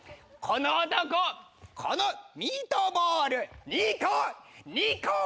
この男このミートボール２個！